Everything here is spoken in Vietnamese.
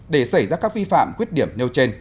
để xảy ra các vi phạm khuyết điểm nêu trên